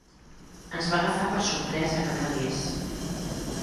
Ens va agafar per sorpresa que plegués.